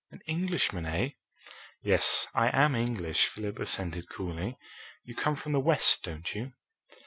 An Englishman, eh?" "Yes, I am English," Philip assented coolly. "You come from the West, don't you?"